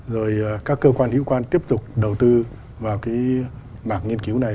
rồi các cơ quan hữu quan tiếp tục đầu tư vào cái mảng nghiên cứu này